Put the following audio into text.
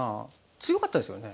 強かったですよね。